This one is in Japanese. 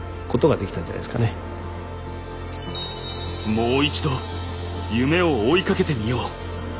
「もう一度夢を追いかけてみよう」。